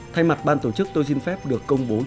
thay mặt ban tổ chức tôi xin phép được công bố